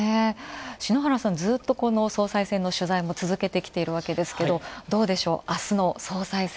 篠原さん、ずっと、この総裁選の取材も続けてきてるわけですが、どうでしょう、あすの総裁選。